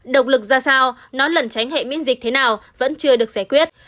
độc lực ra sao nó lẩn tránh hệ miễn dịch thế nào vẫn chưa được giải quyết